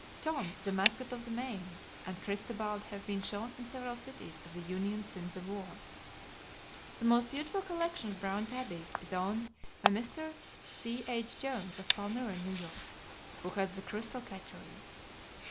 Tom, the mascot of the Maine, and Christobal have been shown in several cities of the Union since the war. The most beautiful collection of brown tabbies is owned by Mr. C.H. Jones, of Palmyra, N.Y., who has the "Crystal Cattery."